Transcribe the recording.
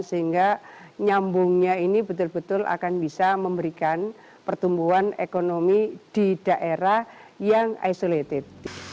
sehingga nyambungnya ini betul betul akan bisa memberikan pertumbuhan ekonomi di daerah yang isolated